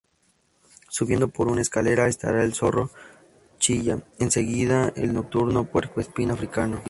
Subiendo por una escalera estará el zorro chilla, en seguida el nocturno puercoespín africano.